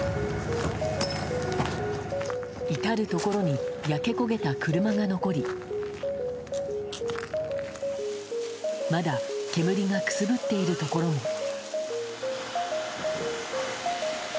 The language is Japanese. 至るところに焼け焦げた車が残りまだ煙がくすぶっているところも。